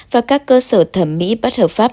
và các cơ sở thẩm mỹ bất hợp pháp